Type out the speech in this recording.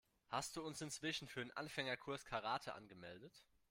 Hast du uns inzwischen für den Anfängerkurs Karate angemeldet?